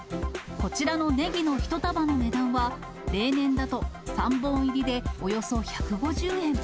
こちらのネギの１束の値段は、例年だと３本入りでおよそ１５０円。